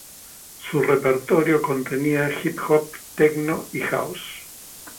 Su repertorio contenía hip hop, techno y house.